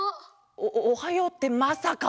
おおはようってまさか！？